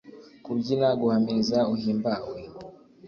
kubyina, guhamiriza uhimbawe